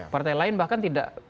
partai lain bahkan tidak